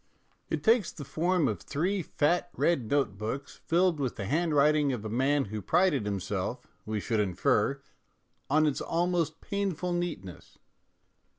It takes the form of three fat red note books filled with the handwriting of a man who prided himself, we should infer, on its almost painful neatness.